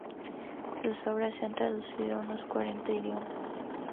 Sus obras se han traducido a unos cuarenta idiomas.